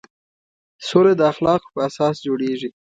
سوله د اخلاقو په اساس جوړېږي.